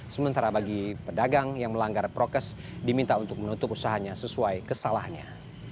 sementara bagi pedagang yang melanggar prokes diminta untuk menutup usahanya sesuai kesalahannya